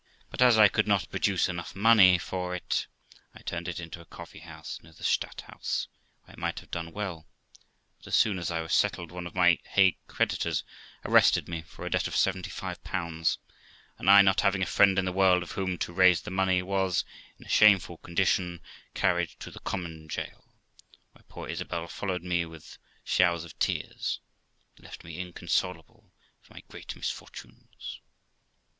But as I could not produce enough money for it, I turned it into a coffee house near the Stadt house, where I might have done well; but as soon as I was settled one of my Hague creditors arrested me for a debt of 75, and I, not having a friend in the world of whom to raise the money, was, in a shameful condition, carried to the common jail, where poor Isabel followed me with showers of tears, and left me inconsolable for my great misfor tunes.